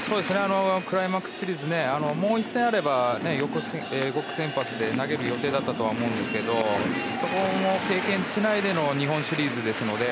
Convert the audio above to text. クライマックスシリーズもう１戦あれば予告先発で投げる予定だったと思いますがそこも経験しないでの日本シリーズですので。